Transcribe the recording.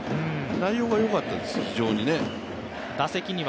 内容が良かったですよ、非常にね。